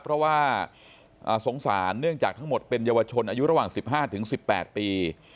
เพราะว่าสงสารเนื่องจากทั้งหมดเป็นเยาวชนอายุระหว่าง๑๕๑๘ปี